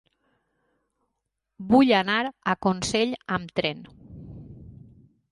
Vull anar a Consell amb tren.